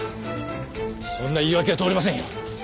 そんな言い訳は通りませんよ。